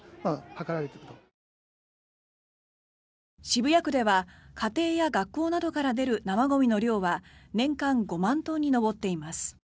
渋谷区では家庭や学校などから出る生ゴミの量は年間５万トンに上っています。